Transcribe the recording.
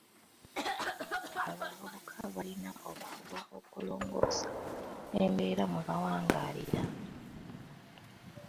Abavubuka balina okufuba okulongoosa embeera mwe bawangaalira.